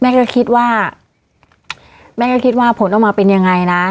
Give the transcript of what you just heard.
ก็คิดว่าแม่ก็คิดว่าผลออกมาเป็นยังไงนะ